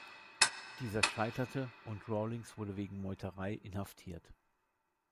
Dieser scheiterte, und Rawlings wurde wegen Meuterei inhaftiert.